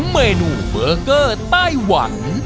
เมนูเบอร์เกอร์ไต้หวัน